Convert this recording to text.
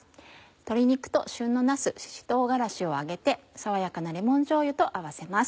鶏肉と旬のなすしし唐辛子を揚げて爽やかなレモンじょうゆと合わせます。